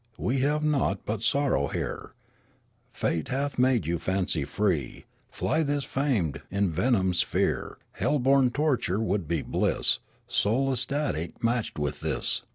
We have nought but sorrow here ; Fate hath made you fancy free ; ^ly this fame envenomed sphere ! Hell boru torture would be bliss, Soul ecstatic, matched with this.